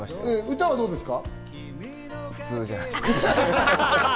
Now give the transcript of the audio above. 歌はどうですか？